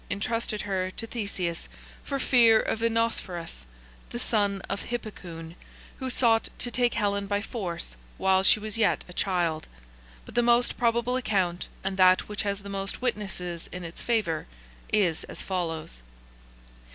τ entrusted her to Theseus, for fear of Enarsphorus, the son of Hippocoén, who sought to take Helen by force while she was yet a child. But the most probable account, and that which has the most witnesses in its favour, is as follows.